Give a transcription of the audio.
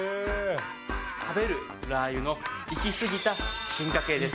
食べるラー油の行き過ぎた進化系です。